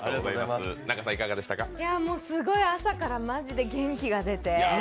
もうすごい朝からマジで元気が出て。